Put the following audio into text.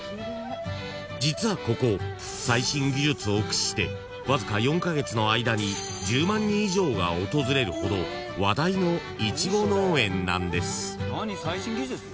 ［実はここ最新技術を駆使してわずか４カ月の間に１０万人以上が訪れるほど話題のいちご農園なんです］